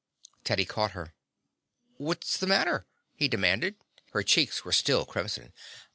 Teddy caught her. "What's the matter?" he demanded. Her cheeks were still crimson.